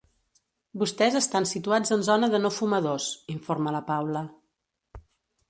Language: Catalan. Vostès estan situats en zona de no fumadors –informa la Paula.